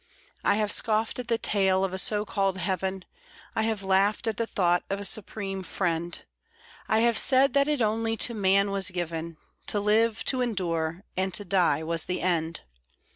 I have scoffed at the tale of a so called heaven; I have laughed at the thought of a Supreme Friend; I have said that it only to man was given To live, to endure; and to die was the end.